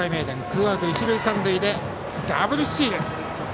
ツーアウト一塁三塁でダブルスチール。